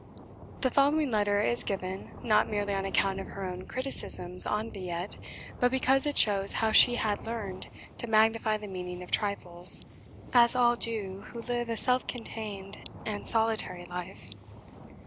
The following letter is given, not merely on account of her own criticisms on 'Villette,' but because it shows how she had learned to magnify the meaning of trifles, as all do who live a self contained and solitary life.